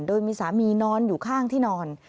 โดยมีสามีนอนอยู่ข้างที่นอน